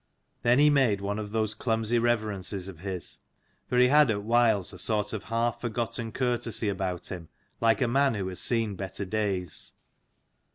Then he made one of those clumsy reverences of his, for he had at whiles a sort of half forgotten courtesy about him, like a man who has seen better days.